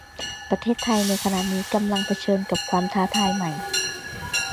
ประเทศไทยในขณะนี้ต้องเผชิญกับความท้าทายใหม่